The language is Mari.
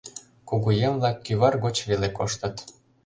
Кугыеҥ-влак кӱвар гоч веле коштыт.